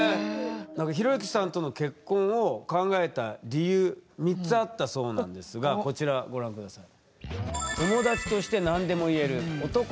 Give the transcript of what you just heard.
なんか寛之さんとの結婚を考えた理由３つあったそうなんですがこちらご覧下さい。